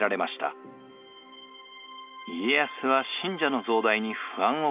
家康は信者の増大に不安を感じ